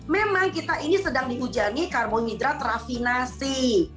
memang kita ini sedang dihujani karbohidrat rafinasi